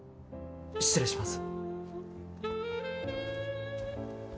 失礼します。